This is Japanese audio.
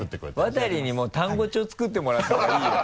渡にもう単語帳作ってもらった方がいいよ。